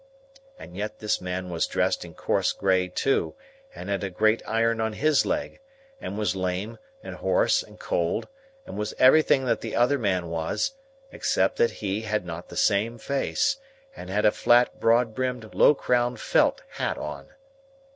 And yet this man was dressed in coarse grey, too, and had a great iron on his leg, and was lame, and hoarse, and cold, and was everything that the other man was; except that he had not the same face, and had a flat broad brimmed low crowned felt hat on.